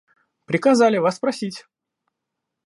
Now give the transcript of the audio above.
Приказали вас спросить.